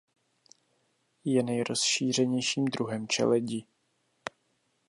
Je nejrozšířenějším druhem čeledi.